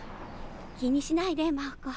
気にしないで真央子。